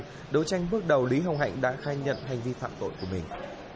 sau đó đấu tranh bước đầu lý hồng hạnh đã khai nhận hành vi phạm tội của mình